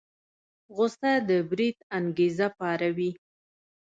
غوسه د بريد انګېزه پاروي.